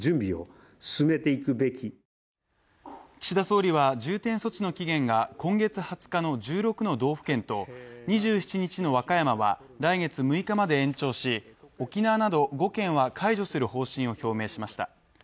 岸田総理は重点措置の期限が今月２０日の１６の道府県と２７日の和歌山は来月６日まで延長し、沖縄など５県は解除する方針を表明しました。